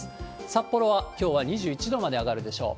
札幌は、きょうは２１度まで上がるでしょう。